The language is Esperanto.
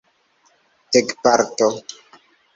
tagparto